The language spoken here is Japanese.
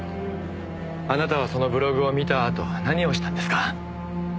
あなたはそのブログを見たあと何をしたんですか？